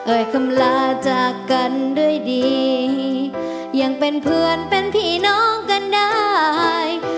คำลาจากกันด้วยดียังเป็นเพื่อนเป็นพี่น้องกันได้